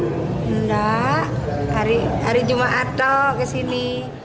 tidak hari jumat kesini